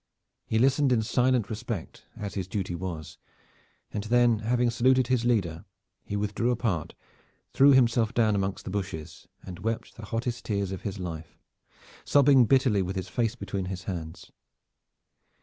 He listened in silent respect, as his duty was, and then having saluted his leader he withdrew apart, threw himself down amongst the bushes, and wept the hottest tears of his life, sobbing bitterly with his face between his hands.